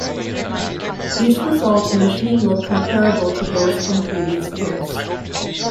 These results initially look comparable to those from previous years.